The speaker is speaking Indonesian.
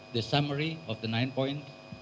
pertama dari sembilan poin